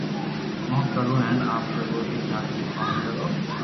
مون ڪرو ھين آپرو ٻولي ھارون ڪوم ڪرو